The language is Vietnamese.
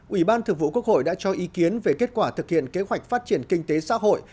ủy ban thượng vụ quốc hội đã cho ý kiến về kết quả thực hiện kế hoạch phát triển kinh tế xã hội